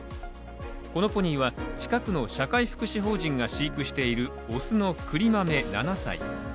このポニーは近くの社会福祉法人が飼育しているオスのくりまめ、７歳。